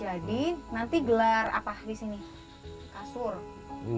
jadi nanti gelar apa di sini kasur